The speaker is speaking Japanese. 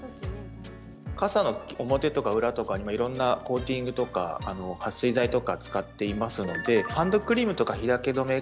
傘の表とか裏とかにいろんなコーティングとかはっ水剤とか使っていますのでハンドクリームとか日焼け止め